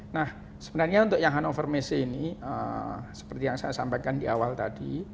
nah sebenarnya untuk yang hannover messe ini seperti yang saya sampaikan di awal tadi